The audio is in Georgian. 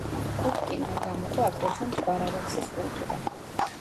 კუფტინმა გამოყო აგრეთვე მტკვარ-არაქსის კულტურა.